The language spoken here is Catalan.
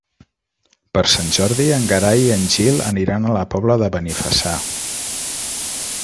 Per Sant Jordi en Gerai i en Gil aniran a la Pobla de Benifassà.